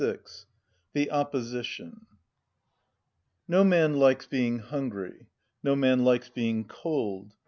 193 THE OPPOSITIPN No man likes being hungry. No man likes being cold.